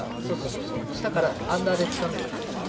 そうそう、下からアンダーでつかめる感じ。